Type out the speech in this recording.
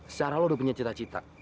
secara lo udah punya cita cita